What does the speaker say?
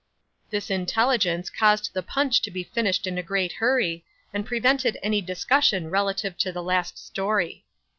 This intelligence caused the punch to be finished in a great hurry, and prevented any discussion relative to the last story.